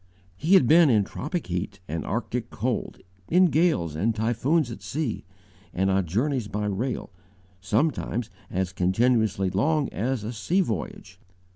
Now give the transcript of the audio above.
He had been in tropic heat and arctic cold, in gales and typhoons at sea, and on journeys by rail, sometimes as continuously long as a sea voyage.